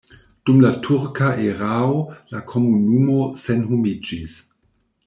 Dum la turka erao la komunumo senhomiĝis.